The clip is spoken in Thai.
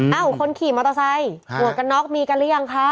คนขี่มอเตอร์ไซค์หมวกกันน็อกมีกันหรือยังคะ